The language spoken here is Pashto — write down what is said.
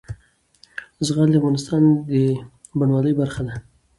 زغال د افغانستان د بڼوالۍ برخه ده.